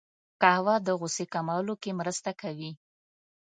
قهوه د غوسې کمولو کې مرسته کوي